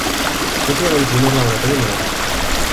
Copia del primer laboratorio lunar.